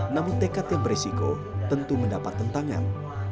namun tekad yang beresiko tentu mendapat tentangan